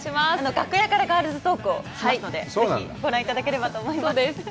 楽屋からガールズトークをしますので、ご覧いただければと思います。